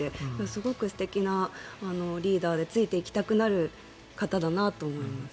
すごく素敵なリーダーでついていきたくなる方だなと思います。